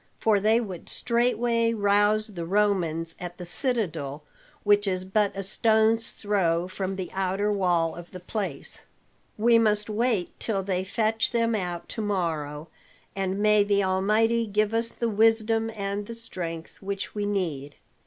"For they would straightway rouse the Romans at the citadel, which is but a stone's throw from the outer wall of the place. We must wait till they fetch them out to morrow, and may the Almighty give us the wisdom and the strength which we need.